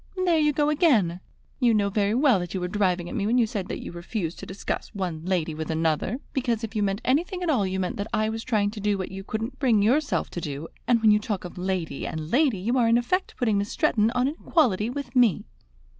"There you go again! You know very well that you were driving at me when you said that you refused to discuss one lady with another; because, if you meant anything at all, you meant that I was trying to do what you couldn't bring yourself to do; and when you talk of 'lady' and 'lady' you are in effect putting Miss Stretton on an equality with me."